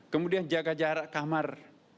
kemudian jaga jarak kamar